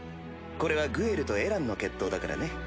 これはグエルとエランの決闘だからね。